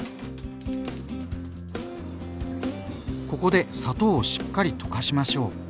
ここで砂糖をしっかり溶かしましょう。